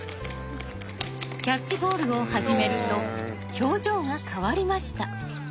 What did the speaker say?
キャッチボールを始めると表情が変わりました。